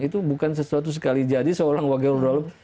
itu bukan sesuatu sekali jadi seorang wajar ulaluk